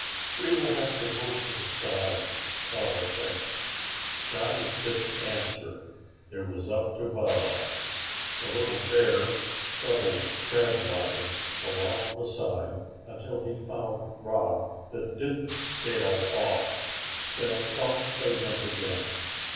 "We will have to move to the side," Baba clicked. Johnny didn't answer. It was up to Baba. The little bear scuttled crabwise along the side until he found rock that didn't scale off. Then up they went again.